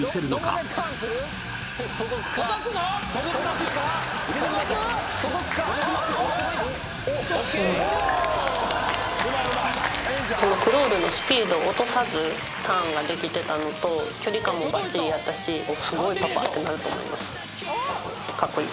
オーケーおおーええんちゃうクロールのスピードを落とさずターンができてたのと距離感もバッチリやったしすごいパパってなると思いますカッコイイ？